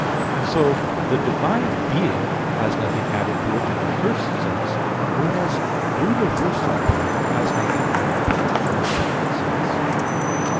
And so the divine being has nothing added to it in the first sense; whereas universal being has nothing added to it in the second sense.